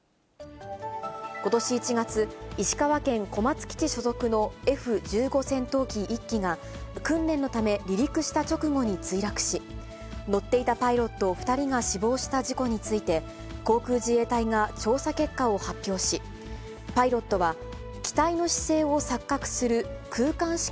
ことし１月、石川県小松基地所属のＦ１５戦闘機１機が、訓練のため離陸した直後に墜落し、乗っていたパイロット２人が死亡した事故について、航空自衛隊が調査結果を発表し、パイロットは、機体の姿勢を錯覚する空間識